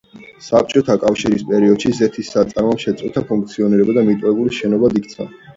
საბჭოთა კავშირის პერიოდში, ზეთის საწარმომ შეწყვიტა ფუნქციონირება და მიტოვებულ შენობად იქცა.